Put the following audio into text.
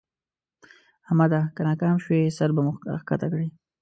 احمده! که ناکام شوې؛ سر به مو راکښته کړې.